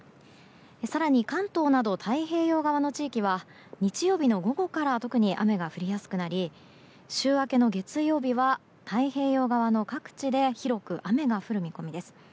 更に、関東など太平洋側の地域は日曜日の午後から特に雨が降りやすくなり週明けの月曜日は太平洋側の各地で広く雨が降る見込みです。